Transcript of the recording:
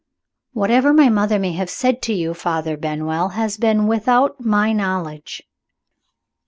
"Whatever my mother may have said to you, Father Benwell, has been without my knowledge."